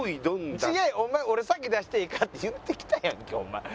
お前「俺先出していいか？」って言ってきたやんけお前。